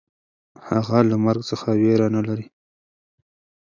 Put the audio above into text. هغه له مرګ څخه وېره نهلري.